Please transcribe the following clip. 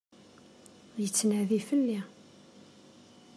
Yettnadi fell-i.